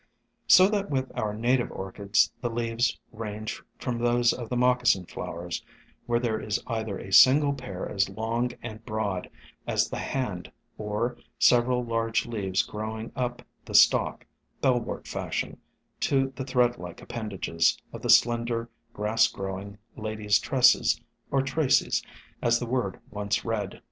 So that with our native Orchids the leaves range from those of the Moccasin Flowers, where there is either a single pair as long and broad as the hand, or several large leaves growing up the stalk, Bellwort fashion, to the thread like appen dages of the slender grass growing Ladies' Tresses or Tracies, as the word once read.